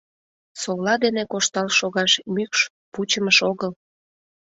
Совла дене коштал шогаш мӱкш-пучымыш огыл.